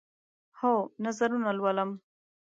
هو، نظرونه لولم